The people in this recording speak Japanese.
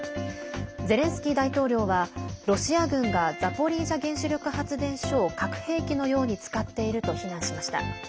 ゼレンスキー大統領はロシア軍がザポリージャ原子力発電所を核兵器のように使っていると非難しました。